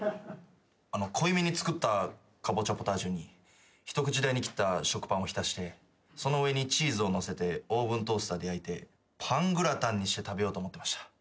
濃いめに作ったカボチャポタージュに一口大に切った食パンを浸してその上にチーズをのせてオーブントースターで焼いてパングラタンにして食べようと思ってました。